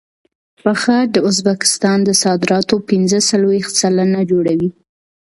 پنبه د ازبکستان د صادراتو پنځه څلوېښت سلنه جوړوي.